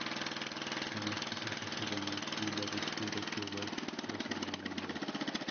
En este suceso, Domitila descubre que White los había engañado.